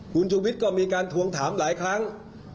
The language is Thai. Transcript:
คุณชูวิทย์ก็มีการทวงถามหลายครั้ง